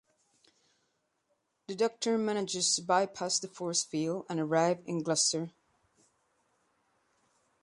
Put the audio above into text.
The Doctor manages to bypass the forcefield and arrive in Gloucester.